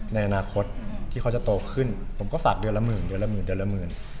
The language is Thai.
ในอนาคตที่เขาจะโตขึ้นผมก็ฝากเดือนละหมื่นเดือนละหมื่นเดือนละหมื่น